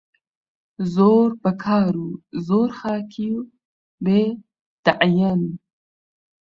زۆر بەکار و زۆر خاکی و بێدەعیەن